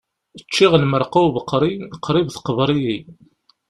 Ččiɣ lmerqa ubeqri, qrib teqber-iyi.